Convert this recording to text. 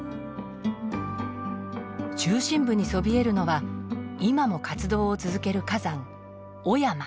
中心部にそびえるのは今も活動を続ける火山雄山。